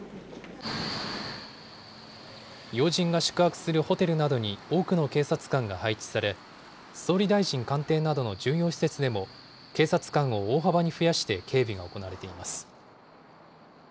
要人が宿泊するホテルなどに多くの警察官が配置され、総理大臣官邸などの重要施設でも、警察官を大幅に増やして警備が行われています。